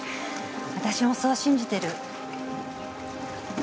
私もそう信じてる。